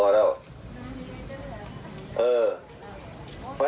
เออเวลานี้สิ่งที่นายพูดคือ